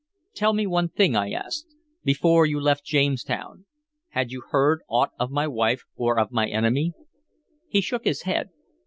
"Tell me one thing," I asked. "Before you left Jamestown, had you heard aught of my wife or of my enemy?" He shook his head.